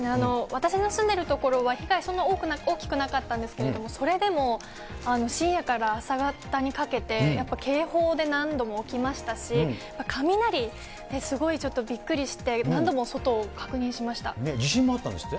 私の住んでいる所は、被害、そんなに大きくなかったんですけど、それでも深夜から朝方にかけて、やっぱり警報で何度も起きましたし、雷、すごいちょっとびっくり地震もあったんですって？